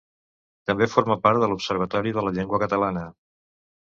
També forma part de l'Observatori de la Llengua Catalana.